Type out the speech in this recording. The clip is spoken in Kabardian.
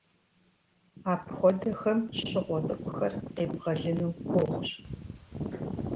Апхуэдэхэм щыгъуэ цӀыкӀухэр къебгъэлыну гугъущ.